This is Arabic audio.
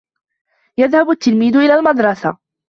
يَذْهَبُ التِّلْميذُ إِلَى الْمَدْرَسَةِ.